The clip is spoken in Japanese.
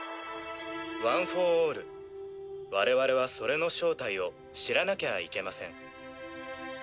ワン・フォー・オール我々はそれの正体を知らなきゃあいけません。